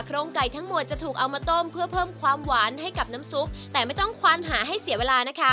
โรงไก่ทั้งหมดจะถูกเอามาต้มเพื่อเพิ่มความหวานให้กับน้ำซุปแต่ไม่ต้องควานหาให้เสียเวลานะคะ